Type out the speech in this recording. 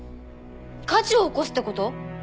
火事を起こすってこと？